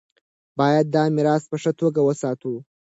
باید دا میراث په ښه توګه وساتو.